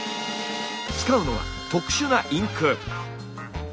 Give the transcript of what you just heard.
使うのは特殊なインク。